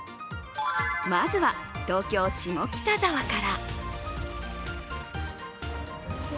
まずは東京・下北沢から。